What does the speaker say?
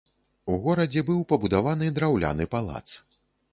У горадзе быў пабудаваны драўляны палац.